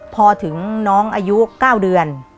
พอถึงน้องอายุ๙เดือน